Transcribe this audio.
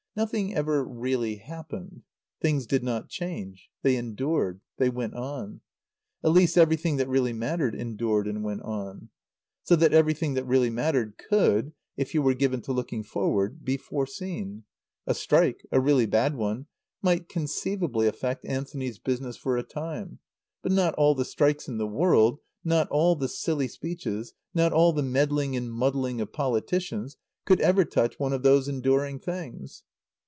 Nothing ever really happened. Things did not change; they endured; they went on. At least everything that really mattered endured and went on. So that everything that really mattered could if you were given to looking forward be foreseen. A strike a really bad one might conceivably affect Anthony's business, for a time; but not all the strikes in the world, not all the silly speeches, not all the meddling and muddling of politicians could ever touch one of those enduring things.